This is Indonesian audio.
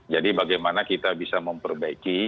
jadi bagaimana kita bisa memperbaiki